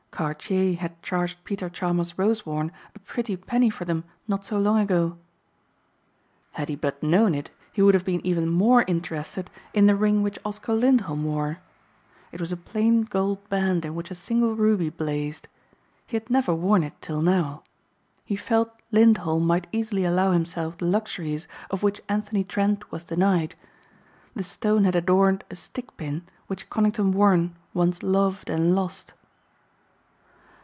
Cartier had charged Peter Chalmers Rosewarne a pretty penny for them not so long ago. Had he but known it he would have been even more interested in the ring which Oscar Lindholm wore. It was a plain gold band in which a single ruby blazed. He had never worn it till now. He felt Lindholm might easily allow himself the luxuries of which Anthony Trent was denied. The stone had adorned a stick pin which Conington Warren once loved and lost.